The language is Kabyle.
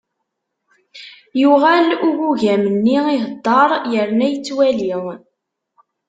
Yuɣal ugugam-nni iheddeṛ, yerna yettwali.